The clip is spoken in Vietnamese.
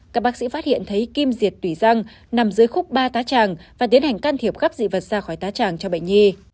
các bác sĩ phát hiện thấy kim diệt tủy răng nằm dưới khúc ba tá tràng và tiến hành can thiệp khắp dị vật ra khỏi tá tràng cho bệnh nhi